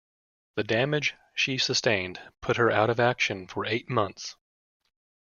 The damage she sustained put her out of action for eight months.